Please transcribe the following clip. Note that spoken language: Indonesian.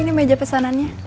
ini meja pesanannya